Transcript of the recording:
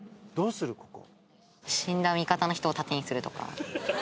死んだ味方の人を盾にするとか。